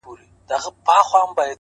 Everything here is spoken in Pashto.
له دېوالونو یې رڼا پر ټوله ښار خپره ده ـ